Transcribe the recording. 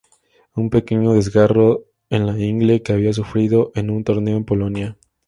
Un pequeño desgarro en la ingle que había sufrido en un torneo en Polonia.